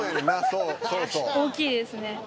大きいですね。